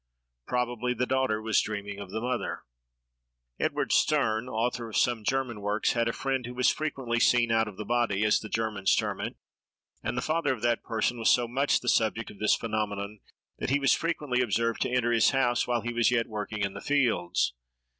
Probably the daughter was dreaming of the mother. Edward Stern, author of some German works, had a friend who was frequently seen out of the body, as the Germans term it; and the father of that person was so much the subject of this phenomenon, that he was frequently observed to enter his house while he was yet working in the fields!